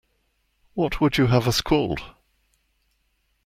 What would you have us called?